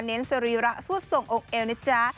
เน้นสรีระสวดส่งองค์เอลเนี่ยจ๊ะ